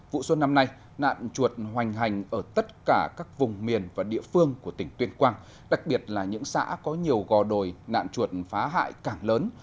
vụ xuân năm nay nạn chuột hoành hành ở tất cả các vùng miền và địa phương của tỉnh tuyên quang đặc biệt là những xã có nhiều gò đồi nạn chuột phá hại càng lớn